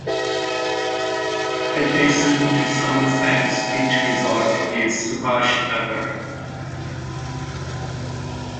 Adjacent to summer sands beach resort is subhash nagar.